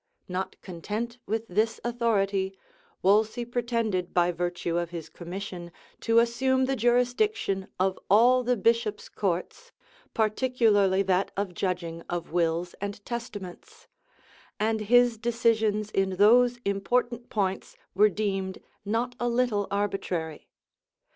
Not content with this authority, Wolsey pretended, by virtue of his commission, to assume the jurisdiction of all the bishops' courts, particularly that of judging of wills and testaments; and his decisions in those important points were deemed not a little arbitrary.